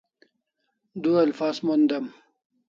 Du ilfaz mon den